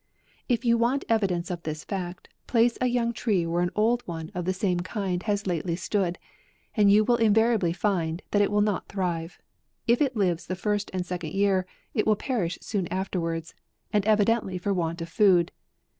If you want evidence of this fact, place a young tree where an old one of the same kind has lately stood, and you will invariably find, that it will not thrive ; if it lives the first and second year, it will perish soon afterwards, and evidently for want of food.